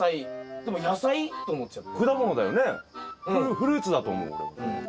フルーツだと思う俺も。